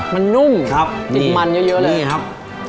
มันนุ่มปิดมันเยอะเลยเห็นไหมครับ